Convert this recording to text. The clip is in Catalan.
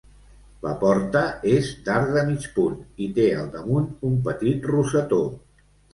La porta és d'arc de mig punt i té al damunt un petit rosetó.